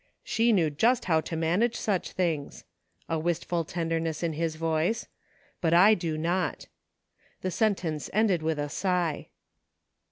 " She knew just how to manage such things," a wistful 222 "VERY MUCH IMPROVED. tenderness in his voice, "but I do not." The sen tence ended with a sigh.